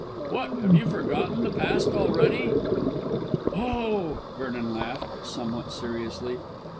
What, have you forgotten the past already?" "Oh!" Vernon laughed, but somewhat seriously.